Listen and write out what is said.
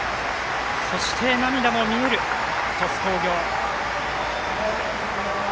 そして、涙も見える鳥栖工業。